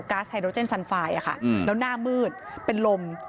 ไฮโดรเจนซันไฟล์แล้วหน้ามืดเป็นลม